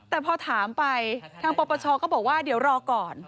แต่พอถามไปทางปปชก็บอกว่าเดี๋ยวรอก่อน